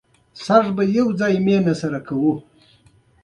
بیا یې هم ری پکې ونه واهه.